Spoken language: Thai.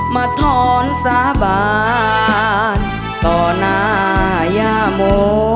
มาทอนสาบานต่อนายาโม